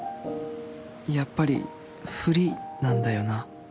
やっぱり「ふり」なんだよな